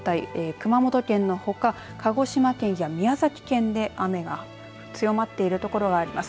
熊本県のほか鹿児島県や宮崎県で雨が強まっているところがあります。